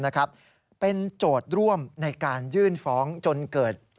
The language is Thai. นะครับเป็นโจทย์ร่วมในการยื่นฟ้องจนเกิด